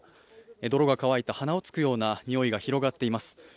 泥が乾いた鼻を突くようなにおいが広がっています。